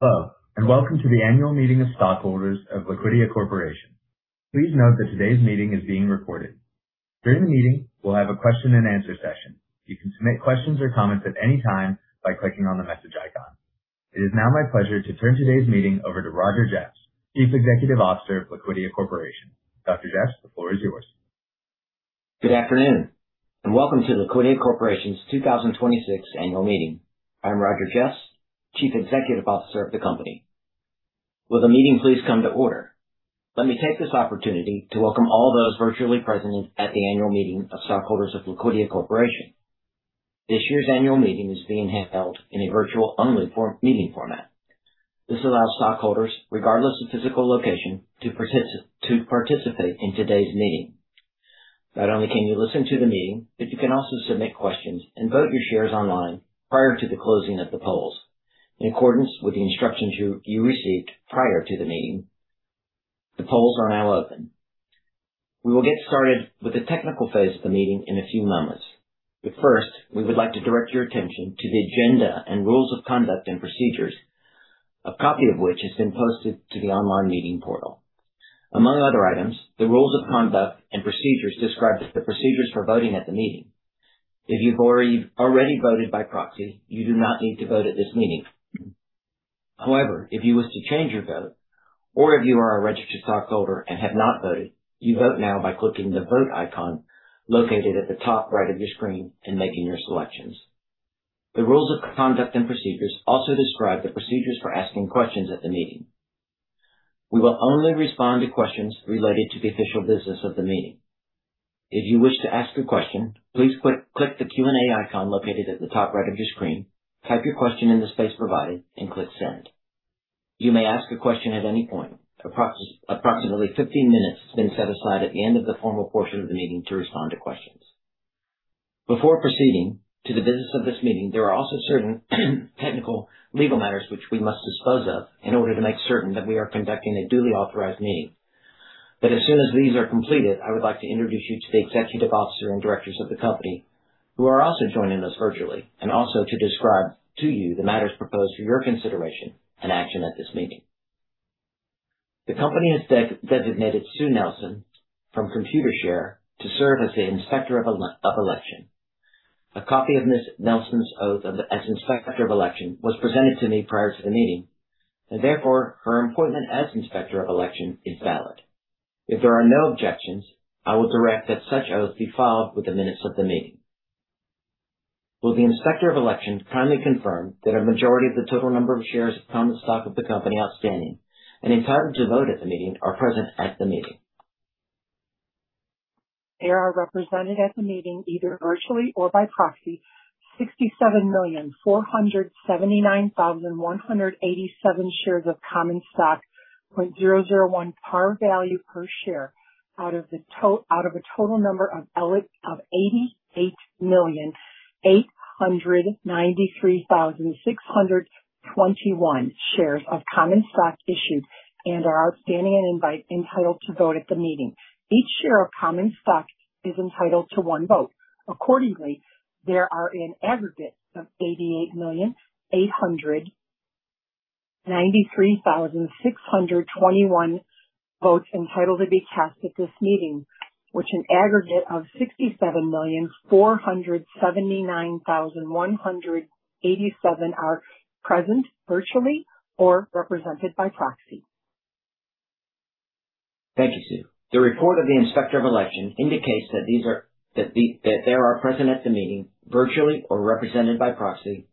Hello, and welcome to the annual meeting of stockholders of Liquidia Corporation. Please note that today's meeting is being recorded. During the meeting, we'll have a question and answer session. You can submit questions or comments at any time by clicking on the message icon. It is now my pleasure to turn today's meeting over to Roger Jeffs, Chief Executive Officer of Liquidia Corporation. Dr. Jeffs, the floor is yours. Good afternoon, and welcome to Liquidia Corporation's 2026 annual meeting. I'm Roger Jeffs, Chief Executive Officer of the company. Will the meeting please come to order? Let me take this opportunity to welcome all those virtually present at the annual meeting of stockholders of Liquidia Corporation. This year's annual meeting is being held in a virtual-only meeting format. This allows stockholders, regardless of physical location, to participate in today's meeting. Not only can you listen to the meeting, but you can also submit questions and vote your shares online prior to the closing of the polls. In accordance with the instructions you received prior to the meeting, the polls are now open. We will get started with the technical phase of the meeting in a few moments. First, we would like to direct your attention to the agenda and Rules of Conduct and Procedures, a copy of which has been posted to the online meeting portal. Among other items, the Rules of Conduct and Procedures describe the procedures for voting at the meeting. If you've already voted by proxy, you do not need to vote at this meeting. However, if you wish to change your vote or if you are a registered stockholder and have not voted, you vote now by clicking the vote icon located at the top right of your screen and making your selections. The Rules of Conduct and Procedures also describe the procedures for asking questions at the meeting. We will only respond to questions related to the official business of the meeting. If you wish to ask a question, please click the Q&A icon located at the top right of your screen, type your question in the space provided, and click send. You may ask a question at any point. Approximately 15 minutes has been set aside at the end of the formal portion of the meeting to respond to questions. Before proceeding to the business of this meeting, there are also certain technical legal matters which we must dispose of in order to make certain that we are conducting a duly authorized meeting. As soon as these are completed, I would like to introduce you to the executive officer and directors of the company who are also joining us virtually, and also to describe to you the matters proposed for your consideration and action at this meeting. The company has designated Sue Nelson from Computershare to serve as the Inspector of Election. A copy of Ms. Nelson's oath as Inspector of Election was presented to me prior to the meeting, and therefore her appointment as Inspector of Election is valid. If there are no objections, I will direct that such oath be filed with the minutes of the meeting. Will the Inspector of Election kindly confirm that a majority of the total number of shares of common stock of the company outstanding and entitled to vote at the meeting are present at the meeting? There are represented at the meeting, either virtually or by proxy, 67,479,187 shares of common stock, $0.001 par value per share, out of a total number of 88,893,621 shares of common stock issued and are outstanding and entitled to vote at the meeting. Each share of common stock is entitled to one vote. Accordingly, there are an aggregate of 88,893,621 votes entitled to be cast at this meeting, which an aggregate of 67,479,187 are present virtually or represented by proxy. Thank you, Sue. The report of the Inspector of Election indicates that there are present at the meeting, virtually or represented by proxy,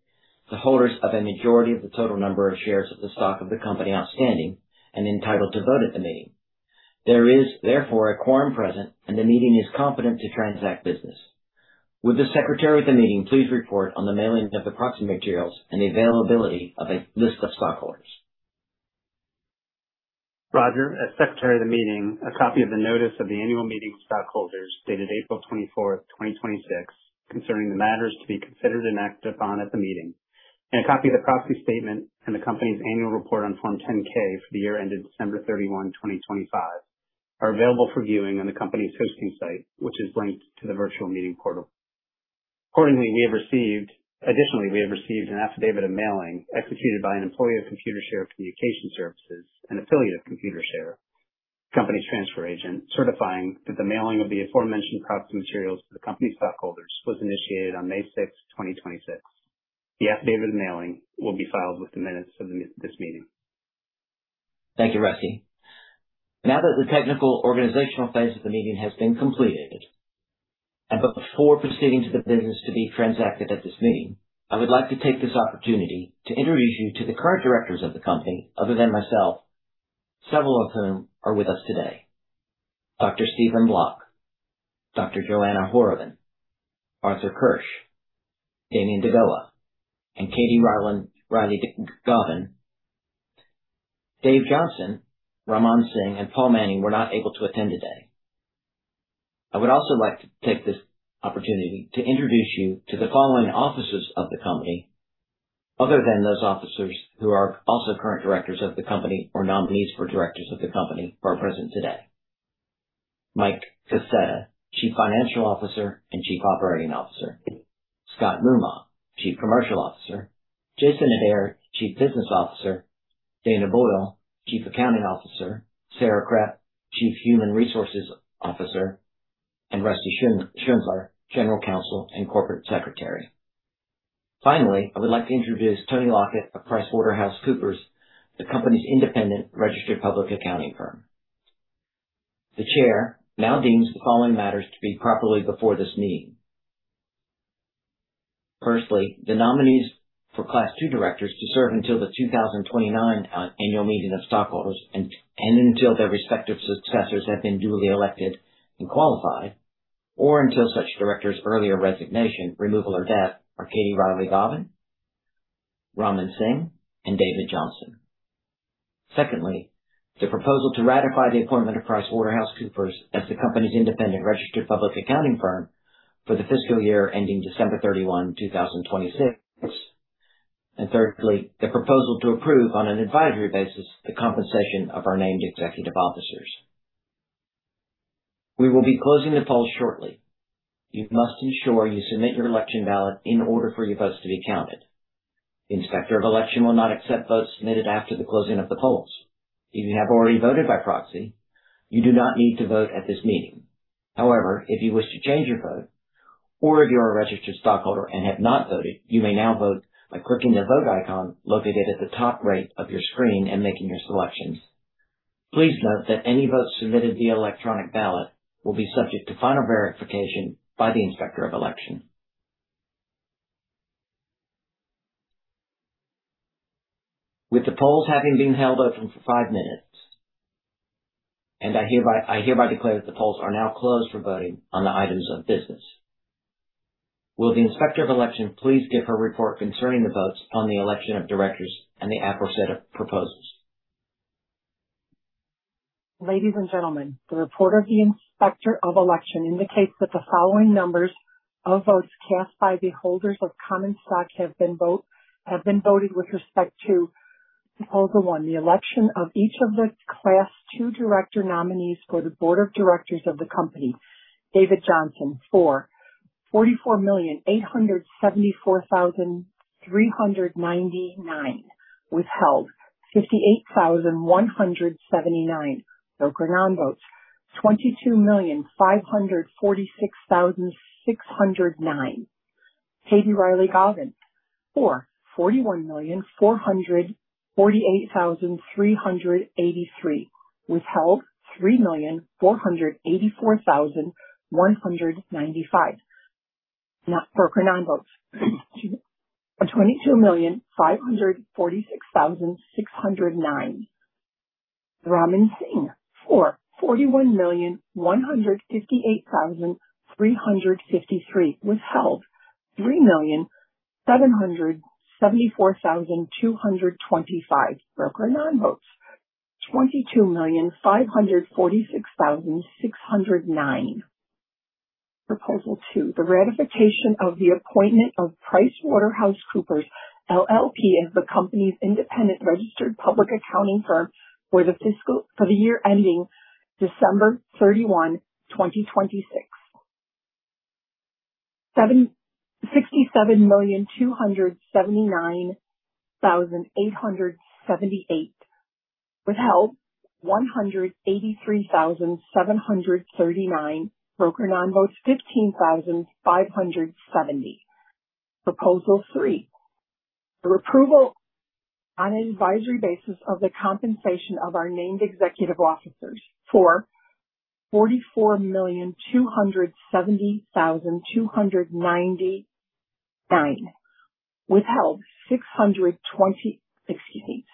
the holders of a majority of the total number of shares of the stock of the company outstanding and entitled to vote at the meeting. There is, therefore, a quorum present and the meeting is competent to transact business. Would the secretary of the meeting please report on the mailing of the proxy materials and the availability of a list of stockholders? Roger, as secretary of the meeting, a copy of the notice of the annual meeting of stockholders dated April 24th, 2026, concerning the matters to be considered and acted upon at the meeting, and a copy of the proxy statement and the company's annual report on Form 10-K for the year ended December 31, 2025, are available for viewing on the company's hosting site, which is linked to the virtual meeting portal. Additionally, we have received an affidavit of mailing executed by an employee of Computershare Communication Services, an affiliate of Computershare, the company's transfer agent, certifying that the mailing of the aforementioned proxy materials to the company stockholders was initiated on May 6th, 2026. The affidavit of mailing will be filed with the minutes of this meeting. Thank you, Rusty. Now that the technical organizational phase of the meeting has been completed, before proceeding to the business to be transacted at this meeting, I would like to take this opportunity to introduce you to the current directors of the company, other than myself, several of whom are with us today. Dr. Stephen Bloch, Dr. Joanna Horobin, Arthur Kirsch, Damian deGoa, and Katie Rielly-Gauvin. David Johnson, Raman Singh, and Paul Manning were not able to attend today. I would also like to take this opportunity to introduce you to the following officers of the company, other than those officers who are also current directors of the company or nominees for directors of the company who are present today. Michael Kaseta, Chief Financial Officer and Chief Operating Officer. Scott Moomaw, Chief Commercial Officer. Jason Adair, Chief Business Officer. Dana Boyle, Chief Accounting Officer. Sarah Krepp, Chief Human Resources Officer. Rusty Schundler, General Counsel and Corporate Secretary. Finally, I would like to introduce Toni Lockett of PricewaterhouseCoopers, the company's independent registered public accounting firm. The chair now deems the following matters to be properly before this meeting. Firstly, the nominees for Class 2 directors to serve until the 2029 annual meeting of stockholders and until their respective successors have been duly elected and qualified, or until such directors earlier resignation, removal or death are Katie Rielly-Gauvin, Raman Singh and David Johnson. Secondly, the proposal to ratify the appointment of PricewaterhouseCoopers as the company's independent registered public accounting firm for the fiscal year ending December 31, 2026. Thirdly, the proposal to approve on an advisory basis the compensation of our named executive officers. We will be closing the polls shortly. You must ensure you submit your election ballot in order for your votes to be counted. The Inspector of Election will not accept votes submitted after the closing of the polls. If you have already voted by proxy, you do not need to vote at this meeting. However, if you wish to change your vote, or if you are a registered stockholder and have not voted, you may now vote by clicking the Vote icon located at the top right of your screen and making your selections. Please note that any votes submitted via electronic ballot will be subject to final verification by the Inspector of Election. With the polls having been held open for 5 minutes, I hereby declare that the polls are now closed for voting on the items of business. Will the Inspector of Election please give her report concerning the votes on the election of directors and the aforesaid of proposals. Ladies and gentlemen, the report of the Inspector of Election indicates that the following numbers of votes cast by the holders of common stock have been voted with respect to proposal one, the election of each of the class 2 director nominees for the board of directors of the company. David Johnson. For 44,874,399. Withheld, 58,179. Broker non-votes, 22,546,609. Katie Rielly-Gauvin. For 41,448,383. Withheld, 3,484,195. Broker non-votes, excuse me, 22,546,609. Raman Singh. For 41,158,353. Withheld, 3,774,225. Broker non-votes, 22,546,609. Proposal two, the ratification of the appointment of PricewaterhouseCoopers LLP as the company's independent registered public accounting firm for the year ending December 31, 2026. 67,279,878. Withheld, 183,739. Brokered non-votes, 15,570. Proposal three, the approval on an advisory basis of the compensation of our named executive officers. For 44,270,299. Withheld, excuse me,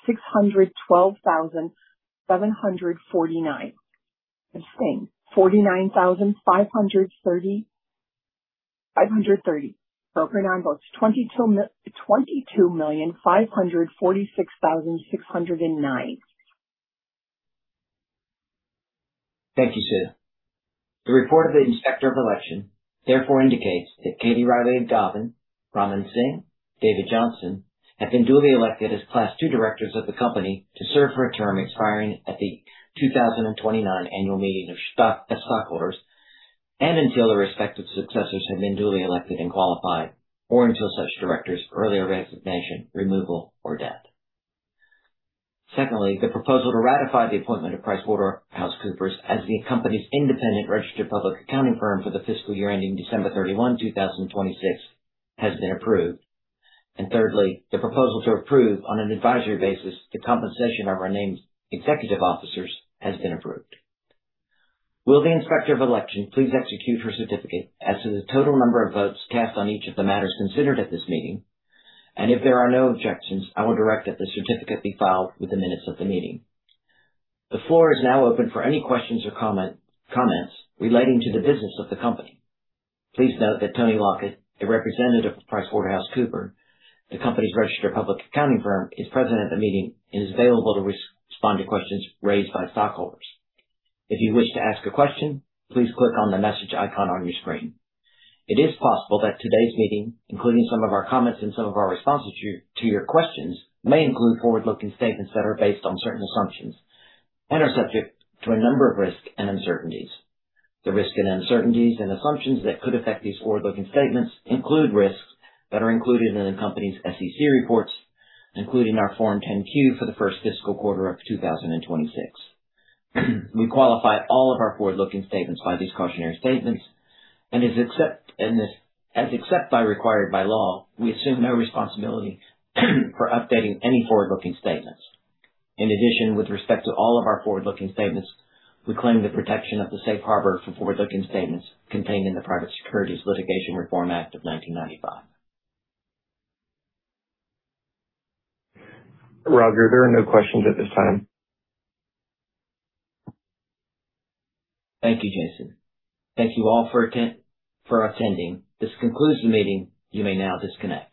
612,749. Abstain, 49,530. Brokered non-votes, 22,546,609. Thank you, Sue. The report of the Inspector of Election therefore indicates that Katie Rielly-Gauvin, Raman Singh, David Johnson, have been duly elected as class 2 directors of the company to serve for a term expiring at the 2029 annual meeting of stockholders and until their respective successors have been duly elected and qualified, or until such directors earlier resignation, removal, or death. Secondly, the proposal to ratify the appointment of PricewaterhouseCoopers as the company's independent registered public accounting firm for the fiscal year ending December 31, 2026 has been approved. Thirdly, the proposal to approve on an advisory basis the compensation of our named executive officers has been approved. Will the Inspector of Election please execute her certificate as to the total number of votes cast on each of the matters considered at this meeting? If there are no objections, I will direct that the certificate be filed with the minutes of the meeting. The floor is now open for any questions or comments relating to the business of the company. Please note that Toni Lockett, a representative of PricewaterhouseCoopers, the company's registered public accounting firm, is present at the meeting and is available to respond to questions raised by stockholders. If you wish to ask a question, please click on the message icon on your screen. It is possible that today's meeting, including some of our comments and some of our responses to your questions, may include forward-looking statements that are based on certain assumptions and are subject to a number of risks and uncertainties. The risks and uncertainties and assumptions that could affect these forward-looking statements include risks that are included in the company's SEC reports, including our Form 10-Q for the first fiscal quarter of 2026. We qualify all of our forward-looking statements by these cautionary statements, and except as required by law, we assume no responsibility for updating any forward-looking statements. In addition, with respect to all of our forward-looking statements, we claim the protection of the safe harbor for forward-looking statements contained in the Private Securities Litigation Reform Act of 1995. Roger, there are no questions at this time. Thank you, Jason. Thank you all for attending. This concludes the meeting. You may now disconnect.